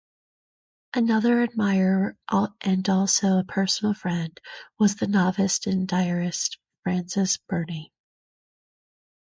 Another admirer, and also a personal friend, was the novelist and diarist Frances Burney.